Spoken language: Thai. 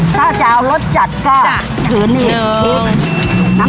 ถ้าจะเอารสจัดก็